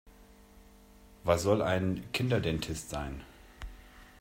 Was soll ein Kinderdentist sein?